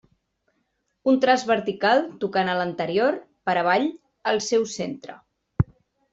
Un traç vertical, tocant a l'anterior, per avall, al seu centre.